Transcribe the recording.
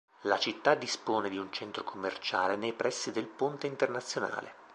La città dispone di un centro commerciale nei pressi del Ponte Internazionale.